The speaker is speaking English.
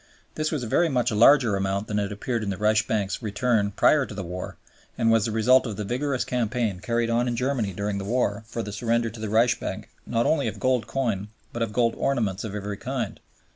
This was a very much larger amount than had appeared in the Reichsbank's return prior to the war, and was the result of the vigorous campaign carried on in Germany during the war for the surrender to the Reichsbank not only of gold coin but of gold ornaments of every kind.